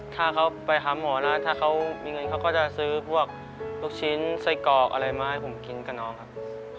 ถ้าเขาไปหาหมอนะถ้าเขามีเงินเขาก็จะซื้อพวกลูกชิ้นไส้กรอกอะไรมาให้ผมกินกับน้องครับ